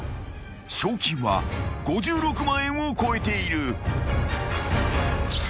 ［賞金は５６万円を超えている］